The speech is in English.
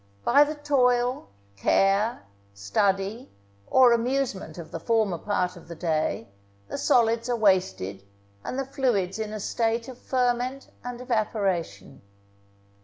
By the toil, care, study, or amusement of the former part of the day, the solids are wasted, and the fluids in a state of ferment and evaporation.